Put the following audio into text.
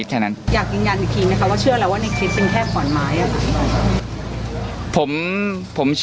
สวัสดีครับคุณผู้ชม